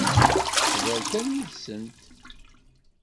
Hḍeṛ kan yid-sent.